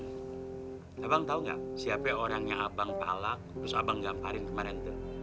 bang abang tau gak siapa orangnya abang palak terus abang gamparin kemaren tuh